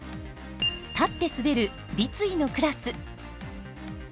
立って滑る、立位のクラス。